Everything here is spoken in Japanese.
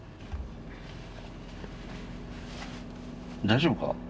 大丈夫か？